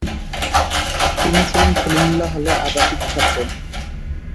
তিনি ছিলেন সলিমুল্লাহ হলের আবাসিক ছাত্র।